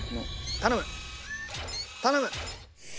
頼む！